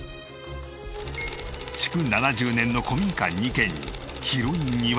築７０年の古民家２軒に広い庭。